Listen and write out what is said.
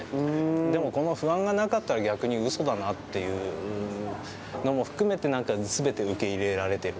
でもこの不安がなかったら、逆にうそだなというのも含めて、すべて受け入れられている。